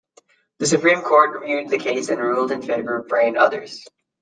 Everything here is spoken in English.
The Supreme Court reviewed the case and ruled in favor of Bray and others.